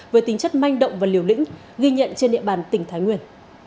với tính chất manh động và liều lĩnh ghi nhận trên địa bàn tỉnh thái nguyên